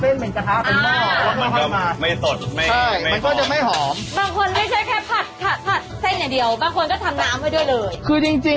ผมเข็มว่าไม่เสร็จเส้น